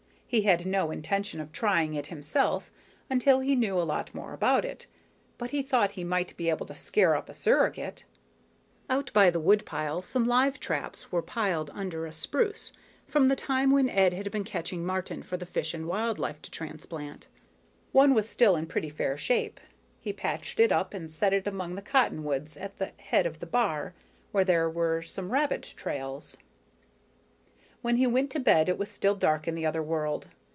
He had no intention of trying it himself until he knew a lot more about it, but he thought he might be able to scare up a surrogate. Out by the wood pile some live traps were piled under a spruce, from the time when Ed had been catching marten for the Fish and Wildlife to transplant. One was still in pretty fair shape. He patched it up and set it among the cottonwoods at the head of the bar, where there were some rabbit trails. When he went to bed it was still dark in the other world.